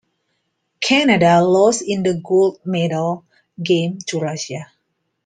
Canada lost in the gold medal game to Russia.